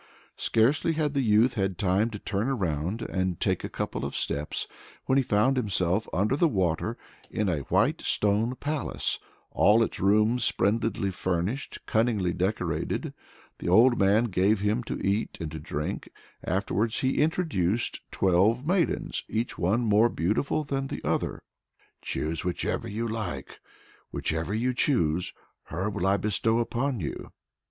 Scarcely had the youth had time to turn round and take a couple of steps, when he found himself under the water and in a white stone palace all its rooms splendidly furnished, cunningly decorated. The old man gave him to eat and to drink. Afterwards he introduced twelve maidens, each one more beautiful than the other. "Choose whichever you like! whichever you choose, her will I bestow upon you."